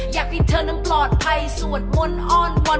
อยากให้เธอนั้นปลอดภัยสวดมนต์อ้อนวอน